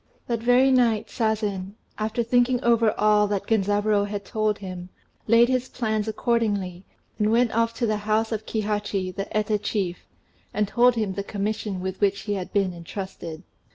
That very night Sazen, after thinking over all that Genzaburô had told him, laid his plans accordingly, and went off to the house of Kihachi, the Eta chief, and told him the commission with which he had been entrusted.